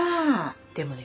でもね